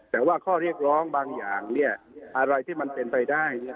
แต่ว่าข้อเรียกร้องบางอย่างเนี่ยอะไรที่มันเป็นไปได้เนี่ย